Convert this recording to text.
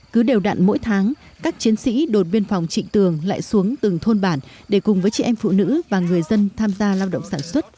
cứ đều đặn mỗi tháng các chiến sĩ đồn biên phòng trịnh tường lại xuống từng thôn bản để cùng với chị em phụ nữ và người dân tham gia lao động sản xuất